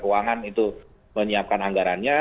keuangan itu menyiapkan anggarannya